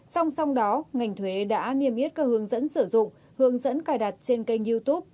song song đó ngành thuế đã niêm yết các hướng dẫn sử dụng hướng dẫn cài đặt trên kênh youtube